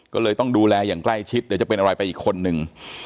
ก็เลยต้องดูแลอย่างใกล้ชิดเดี๋ยวจะเป็นอะไรไปอีกคนนึง